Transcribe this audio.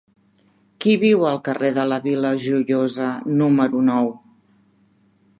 Qui viu al carrer de la Vila Joiosa número nou?